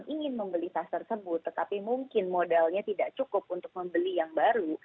ingin membeli tas tersebut tetapi mungkin modalnya tidak cukup untuk membeli yang baru